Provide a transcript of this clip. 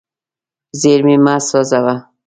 زیرمې مه سوځوه.